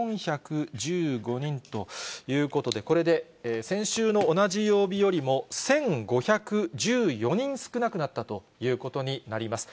２４１５人ということで、これで先週の同じ曜日よりも１５１４人少なくなったということになります。